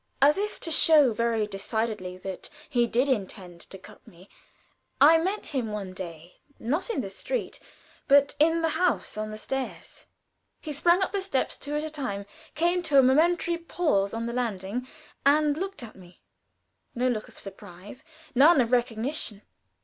As if to show very decidedly that he did intend to cut me, I met him one day, not in the street, but in the house, on the stairs. He sprung up the steps, two at a time, came to a momentary pause on the landing, and looked at me. No look of surprise, none of recognition.